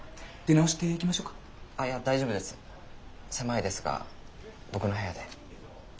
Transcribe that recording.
狭いですが僕の部屋で。